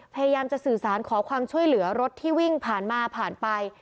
พยายามจะสื่อสารขอความช่วยเหลือรถที่วิ่งผ่านมาผ่านไป